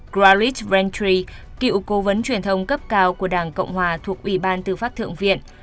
chralit bentry cựu cố vấn truyền thông cấp cao của đảng cộng hòa thuộc ủy ban tư pháp thượng viện